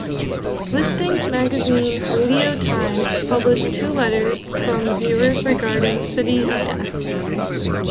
Listings magazine "Radio Times" published two letters from viewers regarding "City of Death".